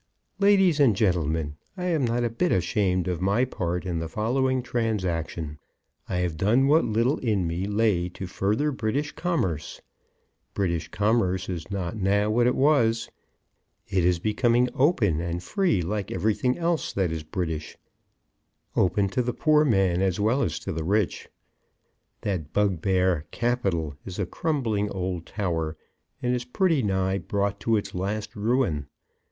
LADIES AND GENTLEMEN, I am not a bit ashamed of my part in the following transaction. I have done what little in me lay to further British commerce. British commerce is not now what it was. It is becoming open and free like everything else that is British; open to the poor man as well as to the rich. That bugbear Capital is a crumbling old tower, and is pretty nigh brought to its last ruin.